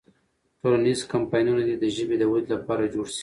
ټولنیز کمپاینونه دې د ژبې د ودې لپاره جوړ سي.